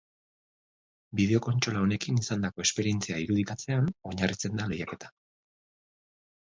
Bideo-kontsola honekin izandako esperientzia irudikatzean oinarritzen da lehiaketa.